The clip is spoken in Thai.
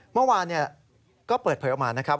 เมื่อวานก็เปิดเผยออกมานะครับ